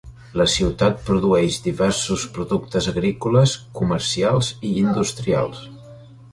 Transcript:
La ciutat produeix diversos productes agrícoles, comercials i industrials.